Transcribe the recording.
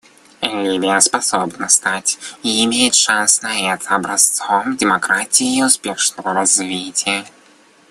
Ливия способна стать — и имеет шанс на это — образцом демократии и успешного развития.